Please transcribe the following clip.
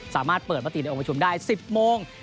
สามารถเปิดประติในโอมชุมได้๑๐โมง